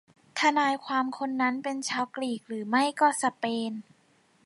ทนายความคนนั้นเป็นชาวกรีกหรือไม่ก็สเปน